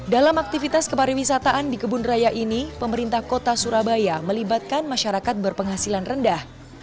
dalam aktivitas kepariwisataan di kebun raya ini pemerintah kota surabaya melibatkan masyarakat berpenghasilan rendah